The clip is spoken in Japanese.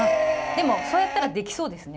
でもそうやったら出来そうですね